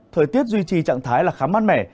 thời tiết duy trì trạng thái là khá mát mẻ